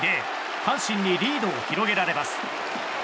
阪神にリードを広げられます。